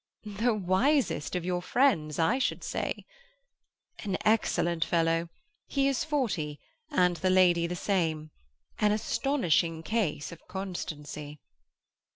"The wisest of your friends, I should say." "An excellent fellow. He is forty, and the lady the same. An astonishing case of constancy."